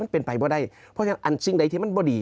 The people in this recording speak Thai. มันเป็นไปไม่ได้เพราะฉะนั้นอันซึงใดที่มันไม่ดี